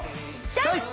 チョイス！